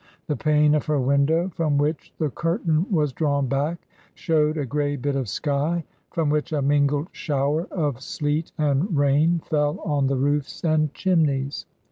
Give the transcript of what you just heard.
The pane of her window, from which the cur tain was drawn back, showed a grey bit of sky, from which a mingled shower of sleet and rain fell on the roofs and chinmeys.